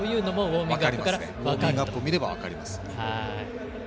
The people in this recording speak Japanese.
ウォーミングアップを見れば分かります。